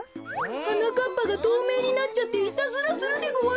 はなかっぱがとうめいになっちゃっていたずらするでごわすよ。